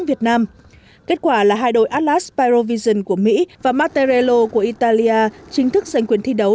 việt nam kết quả là hai đội atlas parovision của mỹ và matterrelo của italia chính thức giành quyền thi đấu